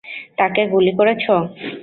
তাকে গুলি করেছো?